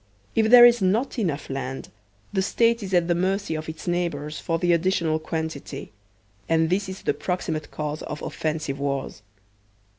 If there is not enough land, the State is at the mercy of its neighbors for the additional quantity; and this is the proximate cause of offensive wars.